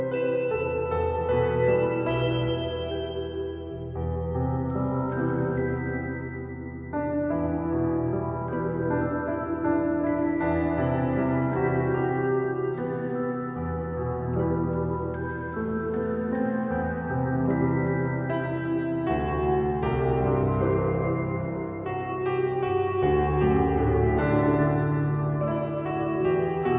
kepala staf angkatan laut